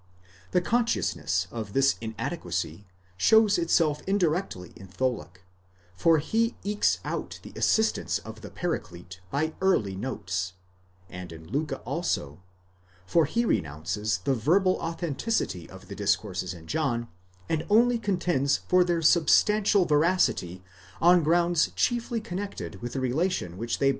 The consciousness of this in adequacy shows itself indirectly in Tholiick, for he ekes out the assistance of the Paraclete by early notes ; and in Liicke also, for he renounces the verbal authenticity of the discourses in John, and only contends for their substantial veracity on grounds chiefly connected with the relation which they bear to other discourses.